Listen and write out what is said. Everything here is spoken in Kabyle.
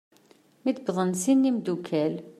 Mi d-wwḍen sin n yimddukal.